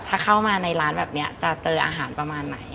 ถ้าเข้ามาในร้านแบบนี้จะเจออาหารประมาณไหน